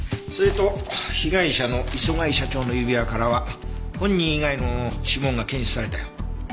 それと被害者の磯貝社長の指輪からは本人以外の指紋が検出されたよ。